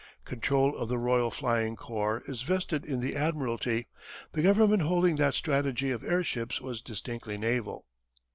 Control of the Royal Flying Corps is vested in the Admiralty, the government holding that the strategy of airships was distinctly naval.